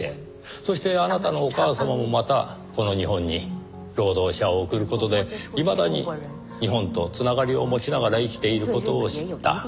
そしてあなたのお母様もまたこの日本に労働者を送る事でいまだに日本と繋がりを持ちながら生きている事を知った。